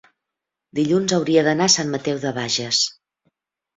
dilluns hauria d'anar a Sant Mateu de Bages.